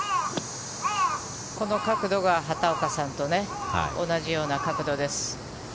この角度が畑岡さんと同じような角度です。